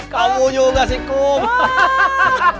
kamu juga sih kom